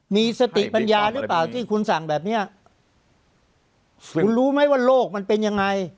มีสติปัญญาหรือเปล่าที่คุณสั่งแบบเนี้ยคุณรู้ไหมว่าโลกมันเป็นยังไง